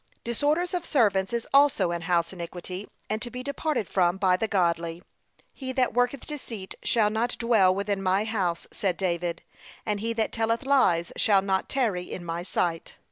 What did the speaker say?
Disorders of servants is also an house iniquity, and to be departed from by the godly. 'He that worketh deceit shall not dwell within my, house;' said David; and 'he that telleth lies shall not tarry in my sight.'